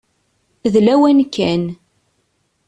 D lawan kan.